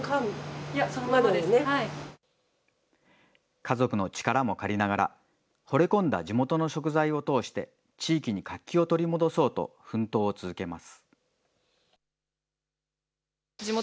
家族の力も借りながら、ほれ込んだ地元の食材を通して、地域に活気を取り戻そうと奮闘を続けます。